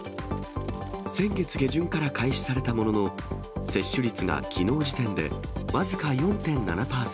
先月下旬から開始されたものの、接種率がきのう時点で僅か４．７％。